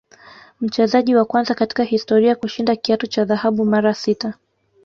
Mchezaji wa kwanza katika historia kushinda kiatu cha dhahabu mara sita